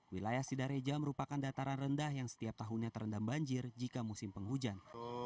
wilayah sidareja merupakan dataran rendah yang setiap tahunnya terendam banjir jika musim penghujan